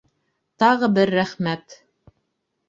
Тағы бер рәхмәт!